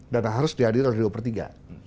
dan harus dihadir oleh dua pertiga